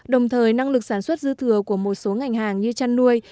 đồng thời năng lực sản xuất dư thừa của một số ngành hàng như chăn nuôi